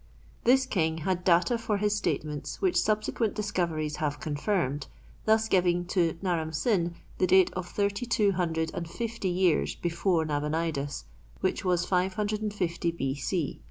This king had data for his statements which subsequent discoveries have confirmed, thus giving to Naram Sin the date of thirty two hundred and fifty years before Nabonidus, which was 550 B. C.